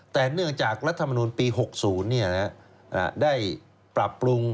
แต่เนื่องจากรัฐมนุนปี๖๐ได้ปรับปรุง